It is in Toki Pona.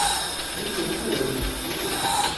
lipu ku li suli.